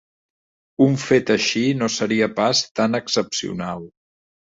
Un fet així no seria pas tan excepcional.